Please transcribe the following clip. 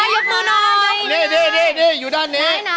ยกมือน้อง